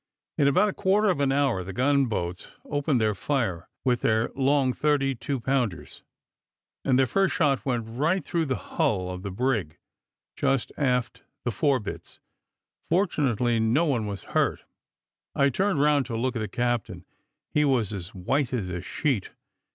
In about a quarter of an hour, the gun boats opened their fire with their long thirty two pounders, and their first shot went right through the hull of the brig, just abaft the fore bits; fortunately, no one was hurt. I turned round to look at the captain; he was as white as a sheet.